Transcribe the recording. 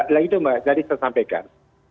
nah itu mbak jadi saya sampaikan